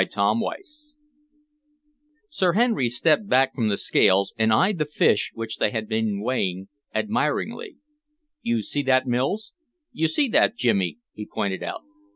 CHAPTER XI Sir Henry stepped back from the scales and eyed the fish which they had been weighing, admiringly. "You see that, Mills? You see that, Jimmy?" he pointed out.